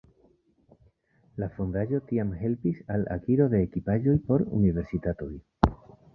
La fondaĵo tiam helpis al akiro de ekipaĵoj por universitatoj.